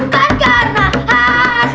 kalau jawabannya apa sih